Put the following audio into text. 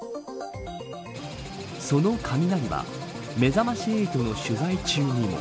その雷はめざまし８の取材中にも。